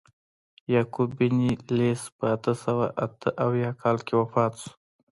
یعقوب بن لیث په اته سوه اته اویا کال کې وفات شو.